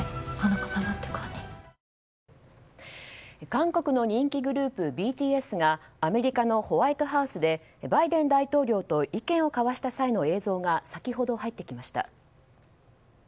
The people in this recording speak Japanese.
韓国の人気グループＢＴＳがアメリカのホワイトハウスでバイデン大統領と意見を交わした際の映像が先ほど入ってきました。